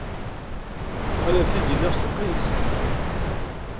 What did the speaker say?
Ad am t-id-iniɣ s uqinẓi.